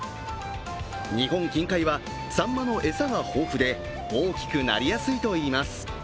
日本近海はさんまの餌が豊富で、大きくなりやすいといいます。